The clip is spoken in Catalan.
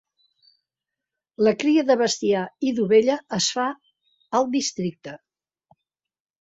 La cria de bestiar i d'ovella es fa al districte.